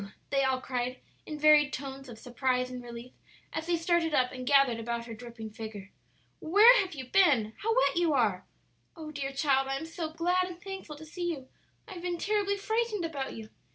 they all cried in varied tones of surprise and relief, as they started up and gathered about her dripping figure. "Where have you been?" "How wet you are!" "Oh, dear child, I am so glad and thankful to see you; I have been terribly frightened about you!"